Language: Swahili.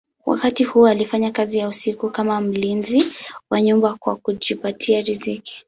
Wakati huu alifanya kazi ya usiku kama mlinzi wa nyumba kwa kujipatia riziki.